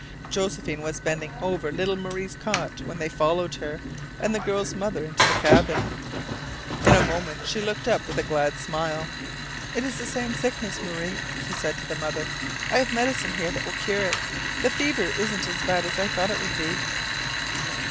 Josephine was bending over little Marie's cot when they followed her and the girl mother into the cabin. In a moment she looked up with a glad smile. "It is the same sickness, Marie," she said to the mother. "I have medicine here that will cure it. The fever isn't as bad as I thought it would be."